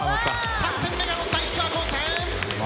３点目が乗った石川高専。